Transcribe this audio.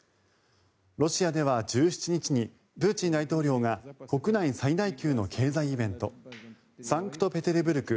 ロシアでは１７日にプーチン大統領が国内最大級の経済イベントサンクトペテルブルク